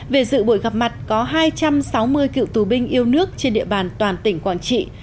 về dự buổi gặp mặt có hai trăm sáu mươi cựu tù binh yêu nước trên địa bàn toàn tỉnh quảng trị